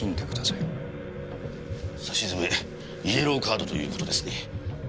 さしずめイエローカードという事ですね。